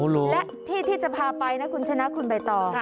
และที่ที่จะพาไปนะคุณชนะคุณใบตอง